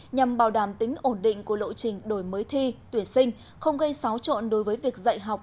nhằm bảo đảm tính ổn định của lộ trình đổi mới thi tuyển sinh không gây xáo trộn đối với việc dạy học